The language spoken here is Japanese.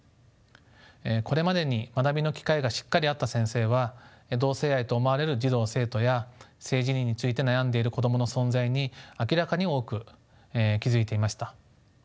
これまでに学びの機会がしっかりあった先生は同性愛と思われる児童・生徒や性自認について悩んでいる子供の存在に明らかに多く気付いていました。